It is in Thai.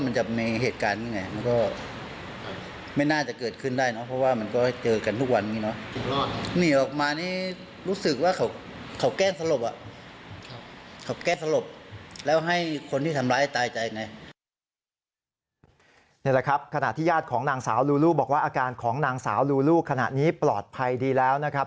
นี่แหละครับขณะที่ญาติของนางสาวลูลูบอกว่าอาการของนางสาวลูลูขณะนี้ปลอดภัยดีแล้วนะครับ